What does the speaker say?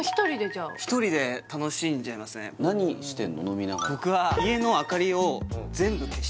じゃあ１人で楽しんじゃいますね何してんの？